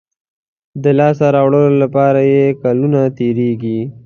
د لاسته راوړلو لپاره یې کلونه تېرېږي.